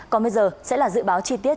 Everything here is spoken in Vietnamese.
còn bây giờ sẽ là dự báo chi tiết